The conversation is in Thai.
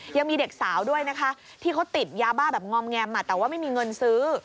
ยังมีเด็กสาวด้วยนะคะที่เขาติดยาบ้าแบบงอมแงมแต่ว่าไม่มีเงินซื้อ